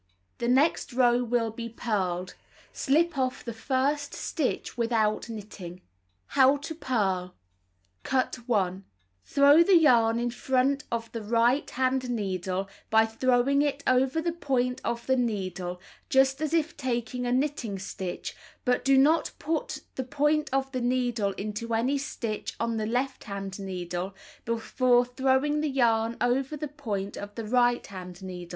The next row will be purled. Slip off the first stitch without knitting. How to Purl Cut 1 Throw the yarn In front of the right hand needle by throw ing it over the point of the needle just as if taking a knitting stitch, but do not put the point of the needle into any stitch on the left hand needle before throwing the yam over the point of the right hand needle.